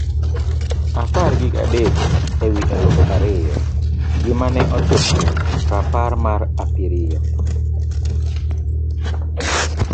apar gi adek e wi aluf ariyo: Gima ne otimore . rapar mar apiriyo